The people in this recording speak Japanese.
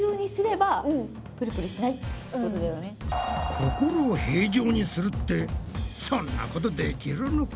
心を平常にするってそんなことできるのか？